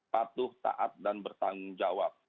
patuh taat dan bertanggung jawab